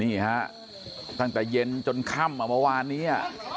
นี่ฮะตั้งแต่เย็นจนค่ำเมื่อวานนี้